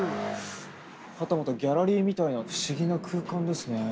はたまたギャラリーみたいな不思議な空間ですね。